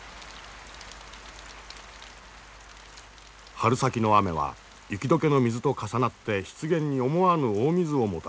春先の雨は雪解けの水と重なって湿原に思わぬ大水をもたらす。